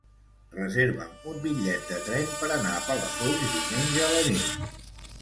Reserva'm un bitllet de tren per anar a Palafolls diumenge a la nit.